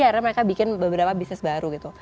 akhirnya mereka bikin beberapa bisnis baru gitu